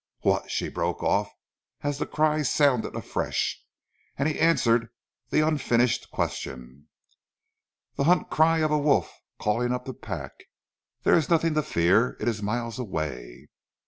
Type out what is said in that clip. "What " she broke off as the cry sounded afresh, and he answered the unfinished question. "The hunt cry of a wolf calling up the pack. There is nothing to fear. It is miles away."